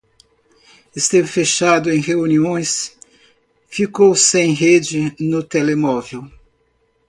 Esteve fechado em reuniões, ficou sem rede no telemóvel.